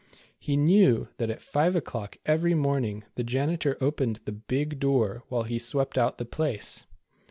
He knew that at five o'clock every morning the janitor opened the big door, while he swept out the place.